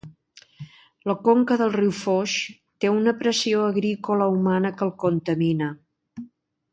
La conca del riu Foix, té una pressió agrícola humana que el contamina